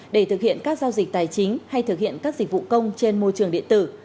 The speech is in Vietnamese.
để thực hiện các giao dịch tài chính hay thực hiện các dịch vụ công trên môi trường điện tử